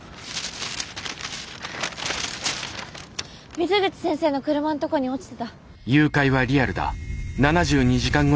水口先生の車のとこに落ちてた。